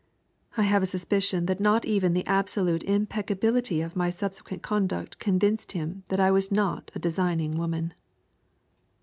I have a suspicion that not even the absolute impeccability of my subsequent conduct convinced him that I was not a designing woman.